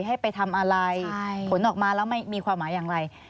ให้ไปทำอะไรผลออกมาแล้วไม่มีความหมายอย่างไร